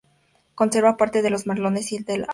Conserva parte de los merlones y del adarve.